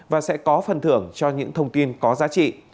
và sẽ có phần thưởng cho những thông tin có giá trị